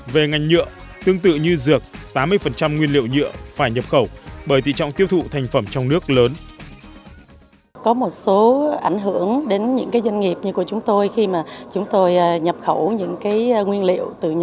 về ngành nhựa tương tự như dược tám mươi nguyên liệu nhựa phải nhập khẩu bởi tỷ trọng tiêu thụ thành phẩm trong nước lớn